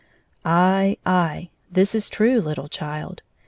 A.ye, aye ; this is true, httle child.